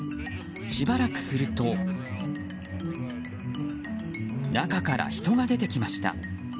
しばらくすると中から人が出てきました。